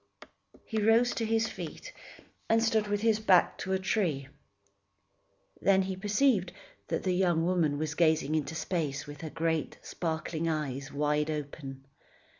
He rose to his feet and stood with his back to a tree. Then he perceived that the young woman was gazing into space with her great, sparkling eyes wide open.